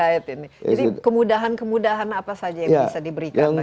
jadi kemudahan kemudahan apa saja yang bisa diberikan